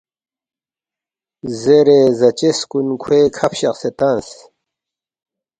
زیرے زاچس کُن کھوے کھہ فشقسے تنگس